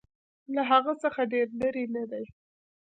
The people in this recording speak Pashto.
له هغه څخه ډېر لیري نه دی.